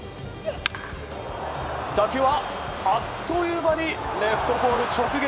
打球はあっという間にレフトポール直撃。